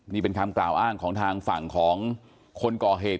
นี่เป็นคำกล่าวอ้างของทางฝั่งของคนก่อเหตุ